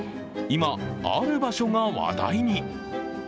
今、ある場所が話題に。